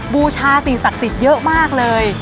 บูชาสิ่งศักดิ์สิทธิ์เยอะมากเลย